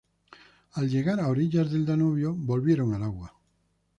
Al llegar a orillas del Danubio volvieron al agua.